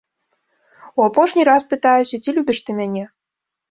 У апошні раз пытаюся, ці любіш ты мяне?